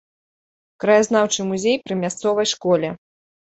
Краязнаўчы музей пры мясцовай школе.